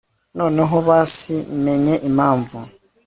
noneho basi menye impamvu